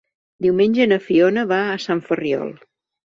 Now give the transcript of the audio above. Diumenge na Fiona va a Sant Ferriol.